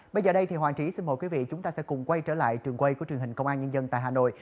bây giờ đây thì hoàng trí xin mời quý vị chúng ta sẽ cùng quay trở lại trường quay của truyền hình công an nhân dân tại hà nội